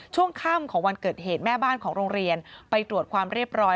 ช่วงค่ำของวันเกิดเหตุแม่บ้านของโรงเรียนไปตรวจความเรียบร้อย